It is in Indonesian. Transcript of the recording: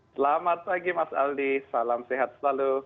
selamat pagi mas aldi salam sehat selalu